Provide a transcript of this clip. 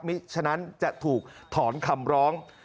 ฉะนั้นจะถูกถอนคำร้อง